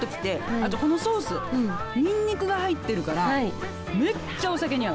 あとこのソースニンニクが入ってるからめっちゃお酒に合う。